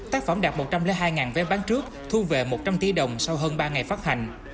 tác phẩm đạt một trăm linh hai vé bán trước thu về một trăm linh tỷ đồng sau hơn ba ngày phát hành